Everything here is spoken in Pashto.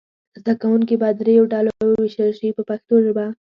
زده کوونکي به دریو ډلو وویشل شي په پښتو ژبه.